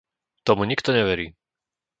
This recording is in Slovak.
Tomu nikto neverí!